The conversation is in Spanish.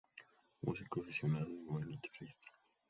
Músico aficionado y buen guitarrista.